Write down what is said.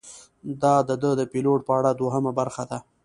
دا ده د پیلوټ په اړه دوهمه برخه: